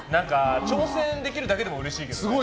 挑戦できるだけでもうれしいけどね。